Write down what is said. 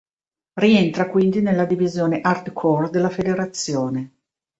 Rientra quindi della divisione hardcore della federazione.